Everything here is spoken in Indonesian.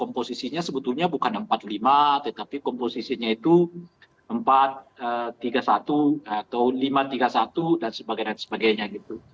komposisinya sebetulnya bukan empat puluh lima tetapi komposisinya itu empat tiga puluh satu atau lima tiga puluh satu dan sebagainya gitu